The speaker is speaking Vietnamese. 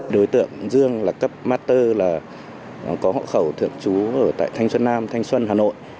đối tượng dương là cấp master là có hộ khẩu thượng chú ở tại thanh xuân nam thanh xuân hà nội